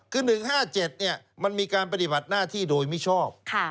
คือ๑๕๗มันมีการปฏิบัติหน้าที่โดยมิชอบ